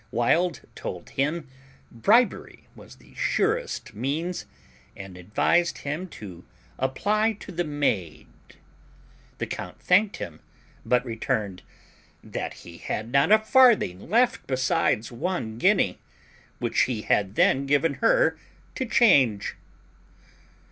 Wild told him bribery was the surest means, and advised him to apply to the maid. The count thanked him, but returned, "That he had not a farthing left besides one guinea, which he had then given her to change."